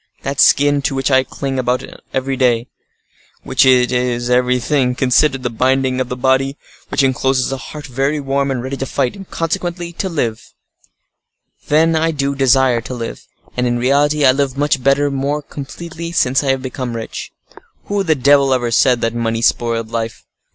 That skin to which I cling above everything, because it is, everything considered, the binding of a body which encloses a heart very warm and ready to fight, and, consequently, to live. Then, I do desire to live: and, in reality, I live much better, more completely, since I have become rich. Who the devil ever said that money spoiled life?